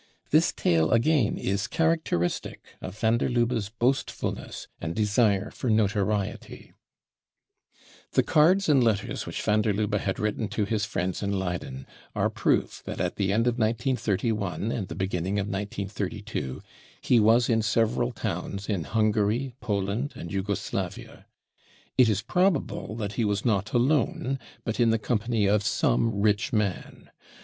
This tale again is characteristic of van der Lubbers boastfulness and desire for notoriety* The cards and letters which van der Lubbe had written to his friends in Leyden are proof that at the end of 1931 and the beginning of 1932 he was in several towns in * Hungary, Poland and Jugoslavia. It is probable that he .was not alone, but in the company of some rich man.